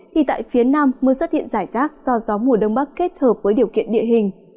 thì tại phía nam mưa xuất hiện rải rác do gió mùa đông bắc kết hợp với điều kiện địa hình